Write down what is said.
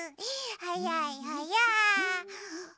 はやいはやい。